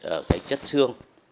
ở cái chất xương